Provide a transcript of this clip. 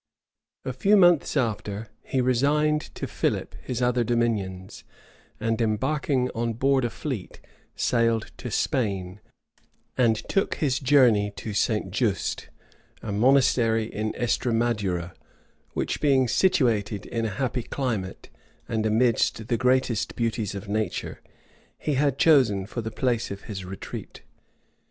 } A few months after, he resigned to Philip his other dominions; and embarking on board a fleet, sailed to Spain, and took his journey to St. Just, a monastery in Estremadura, which, being situated in a happy climate, and amidst the greatest beauties of nature, he had chosen for the place of his retreat.